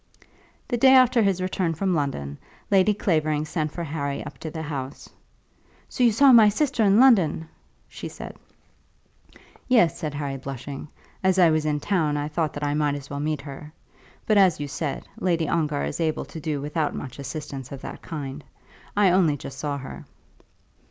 The day after his return from London Lady Clavering sent for Harry up to the house. "So you saw my sister in London?" she said. "Yes," said Harry blushing; "as I was in town, I thought that I might as well meet her. But, as you said, Lady Ongar is able to do without much assistance of that kind. I only just saw her."